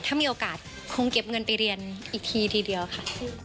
ถ้ามีโอกาสคงเก็บเงินไปเรียนอีกทีทีเดียวค่ะ